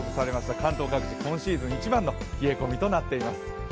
関東各地今シーズン一番の冷え込みとなっています。